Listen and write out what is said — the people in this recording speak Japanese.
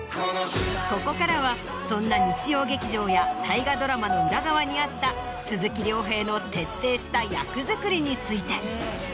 ここからはそんな日曜劇場や大河ドラマの裏側にあった鈴木亮平の徹底した役作りについて。